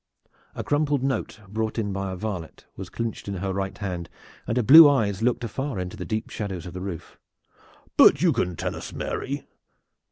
A crumpled note brought in by a varlet was clinched in her right hand and her blue eyes looked afar into the deep shadows of the roof. "But you can tell us, Mary?"